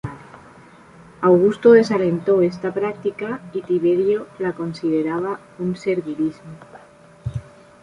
Augusto desalentó esta práctica, y Tiberio la consideraba un servilismo.